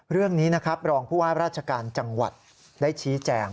เรื่องนี้รองผู้ว่าพระราชการจังหวัดได้ชี้แจง